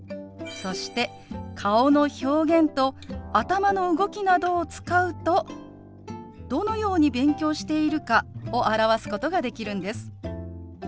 そして顔の表現と頭の動きなどを使うとどのように勉強しているかを表すことができるんです。